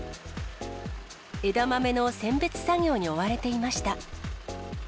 枝豆の選別作業に追われていました。